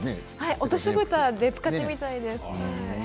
落としぶたで使ってみたいです。